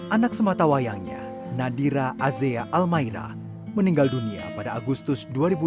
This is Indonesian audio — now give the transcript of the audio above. anak sematawayangnya nadira azea almaira meninggal dunia pada agustus dua ribu dua puluh